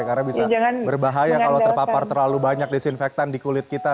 karena bisa berbahaya kalau terpapar terlalu banyak disinfectant di kulit kita